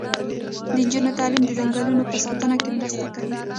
د نجونو تعلیم د ځنګلونو په ساتنه کې مرسته کوي.